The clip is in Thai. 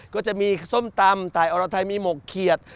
ก็จะมีส้มตำตายอรไทยมีหมกเขียด